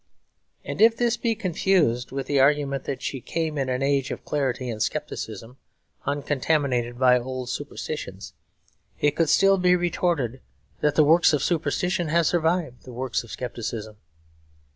And if this be confused with the argument that she came in an age of clarity and scepticism, uncontaminated by old superstitions, it could still be retorted that the works of superstition have survived the works of scepticism.